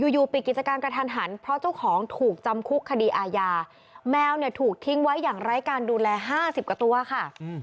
อยู่ปิดกิจการกระทันหันเพราะเจ้าของถูกจำคุกคดีอาญาแมวเนี่ยถูกทิ้งไว้อย่างไร้การดูแล๕๐กว่าตัวค่ะ